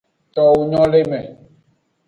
Towo nyo le me.